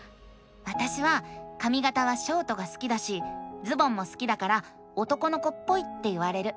わたしはかみがたはショートが好きだしズボンも好きだから男の子っぽいって言われる。